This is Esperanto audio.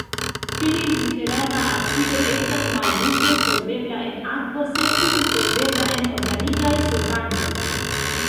Fenilbuterata acido estas malmulte solvebla en akvo, sed tute solvebla en organikaj solvantoj.